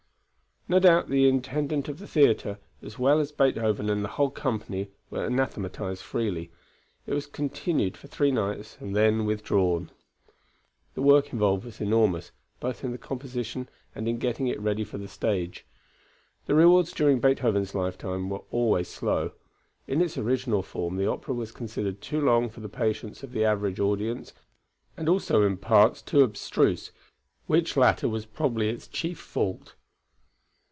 No doubt the intendant of the theatre, as well as Beethoven and the whole company were anathematized freely. It was continued for three nights and then withdrawn. The work involved was enormous, both in the composition and in getting it ready for the stage. The rewards during Beethoven's lifetime were always slow. In its original form the opera was considered too long for the patience of the average audience, and also in parts too abstruse, which latter was probably its chief fault.